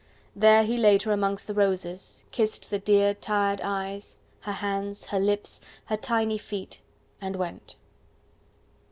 There he laid her amongst the roses, kissed the dear, tired eyes, her hands, her lips, her tiny feet, and went.